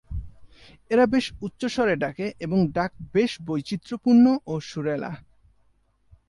এরা বেশ উচ্চস্বরে ডাকে এবং ডাক বেশ বৈচিত্র্যপূর্ণ ও সুরেলা।